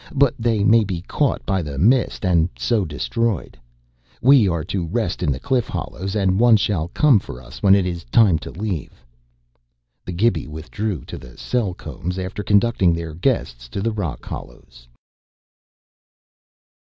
But they may be caught by the Mist and so destroyed. We are to rest in the cliff hollows, and one shall come for us when it is time to leave." The Gibi withdrew to the cell combs after conducting their guests to the rock hollows.